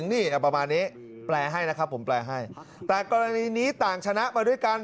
นี่ประมาณนี้แปลให้นะครับผมแปลให้แต่กรณีนี้ต่างชนะมาด้วยกัน